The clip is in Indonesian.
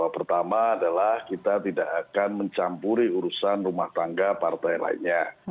pertama adalah kita tidak akan mencampuri urusan rumah tangga partai lainnya